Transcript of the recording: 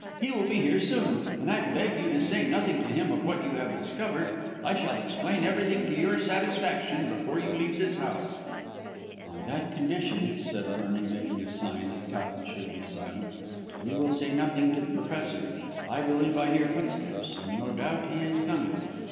He will be here soon, and I beg of you to say nothing to him of what you have discovered. I shall explain everything to your satisfaction before you leave this house." "On that condition," said Vernon, making a sign that Towton should be silent, "we will say nothing to the Professor. I believe I hear footsteps, so no doubt he is coming."